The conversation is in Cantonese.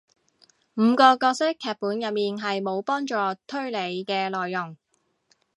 五個角色劇本入面係無幫助推理嘅內容